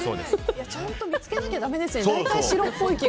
ちゃんと見つけなきゃだめですね。